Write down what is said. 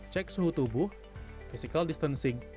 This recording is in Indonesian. cek suhu tubuh physical distancing